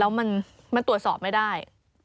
แล้วมันตรวจสอบไม่ได้